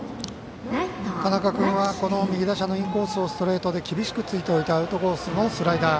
田中君は右打者のインコースをストレートで厳しくついておいてアウトコースのスライダー。